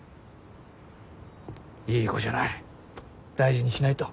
いい子じゃない大事にしないと。